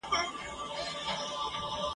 مالي نوسکي په خپل کتاب